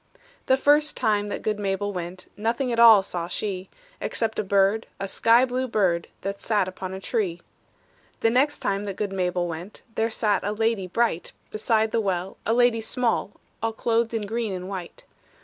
The first time that good Mabel went, Nothing at all saw she, Except a bird, a sky blue bird, That sat upon a tree. The next time that good Mabel went, There sat a lady bright Beside the well, a lady small, All clothed in green and white.